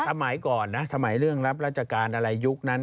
สมัยก่อนนะสมัยเรื่องรับราชการอะไรยุคนั้น